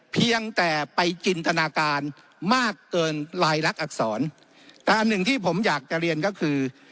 เพียงแต่ไปจินตนาการมากเกินลายลักษณอักษรแต่อันหนึ่งที่ผมอยากจะเรียนก็คือ